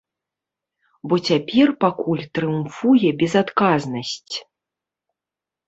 Бо цяпер пакуль трыумфуе безадказнасць.